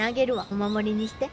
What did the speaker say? お守りにして。